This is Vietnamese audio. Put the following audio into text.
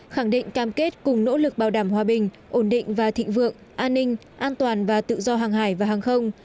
khẳng định cam kết cùng nỗ lực bảo đảm hòa bình ổn định và thịnh vượng an ninh an toàn và tự do hàng hải và hàng không